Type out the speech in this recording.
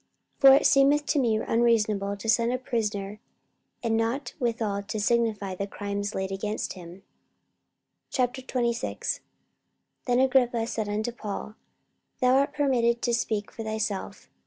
44:025:027 For it seemeth to me unreasonable to send a prisoner, and not withal to signify the crimes laid against him. 44:026:001 Then Agrippa said unto Paul, Thou art permitted to speak for thyself.